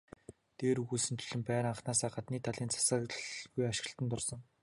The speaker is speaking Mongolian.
Дээр өгүүлсэнчлэн байр анхнаасаа гадна талын засалгүй ашиглалтад орсон.